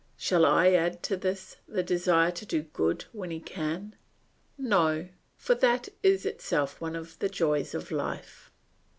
Shall I add to this the desire to do good when he can? No, for that is itself one of the joys of life.